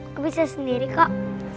aku bisa sendiri kok